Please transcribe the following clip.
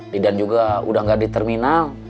lidan juga udah gak di terminal